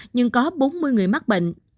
nhưng có bốn mươi người mắc bệnh